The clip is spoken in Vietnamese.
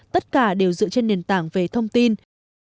tất cả đều dựa trên nền tảng về thông tin